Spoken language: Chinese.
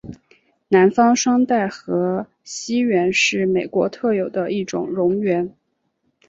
南方双带河溪螈是美国特有的一种蝾螈。